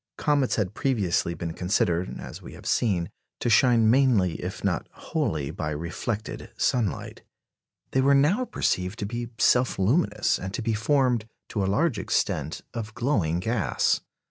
Comets had previously been considered, as we have seen, to shine mainly, if not wholly, by reflected sunlight. They were now perceived to be self luminous, and to be formed, to a large extent, of glowing gas.